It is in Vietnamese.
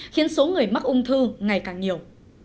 khiến số người mắc ung thư ngày càng nhiều